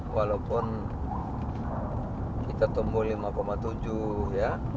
walaupun kita tumbuh lima tujuh ya